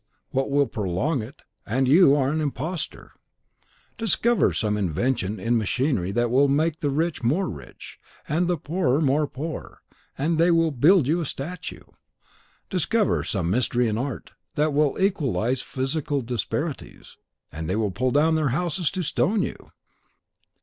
what will prolong it, and you are an imposter! Discover some invention in machinery that will make the rich more rich and the poor more poor, and they will build you a statue! Discover some mystery in art that will equalise physical disparities, and they will pull down their own houses to stone you!